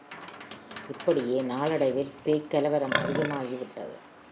இப்படியே நாளடைவில் பேய்க் கலவரம் அதிகமாகி விட்டது.